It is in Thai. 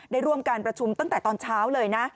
ได้ร่วมการประชุมตั้งแต่ตอนเช้าเลยนะ